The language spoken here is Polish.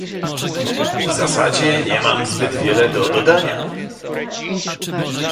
W zasadzie nie mam zbyt wiele do dodania